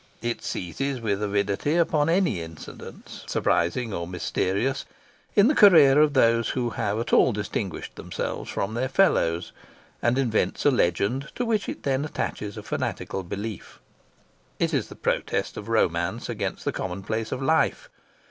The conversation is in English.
It seizes with avidity upon any incidents, surprising or mysterious, in the career of those who have at all distinguished themselves from their fellows, and invents a legend to which it then attaches a fanatical belief. It is the protest of romance against the commonplace of life.